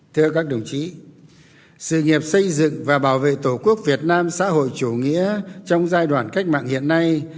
thưa các đồng chí sự nghiệp xây dựng và bảo vệ tổ quốc việt nam xã hội chủ nghĩa trong giai đoạn cách mạng hiện nay